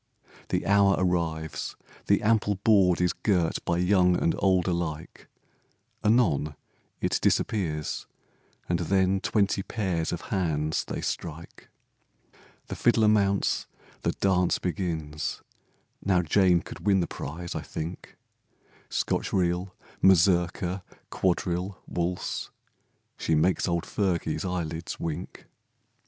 The hour arrives, the ample board Is girt by young and old alike, Anon it disappears, and then Twenty pairs of hands they strike, The fiddler mounts, the dance begins, Now Jane could win the prize, I think, Scotch reel, mazurka, quadrille, waltz, She make's old Fergie's eyelids wink.